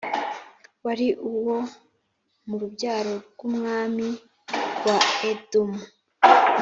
wari uwo mu rubyaro rw’umwami wa Edomu